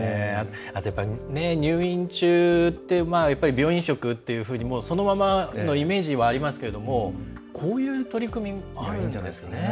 入院中って病院食っていうふうにそのままのイメージはありますけれどもこういう取り組みもあるんですよね。